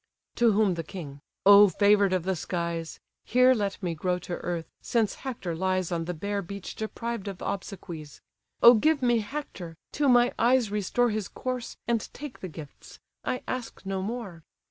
To whom the king: "O favour'd of the skies! Here let me grow to earth! since Hector lies On the bare beach deprived of obsequies. O give me Hector! to my eyes restore His corse, and take the gifts: I ask no more.